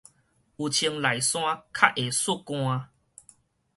有穿內衫較會欶汗